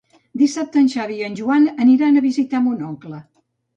Dissabte en Xavi i en Joan aniran a visitar mon oncle.